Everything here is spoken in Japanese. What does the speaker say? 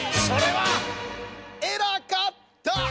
それはえらかった！